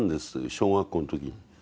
小学校の時に。